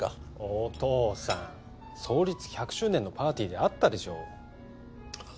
お父さん創立１００周年のパーティーで会ったでしょうあっ